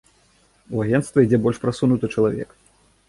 У агенцтва ідзе больш прасунуты чалавек.